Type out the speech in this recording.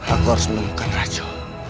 aku harus menemukan rajo